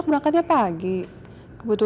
tentang apa yang terjadi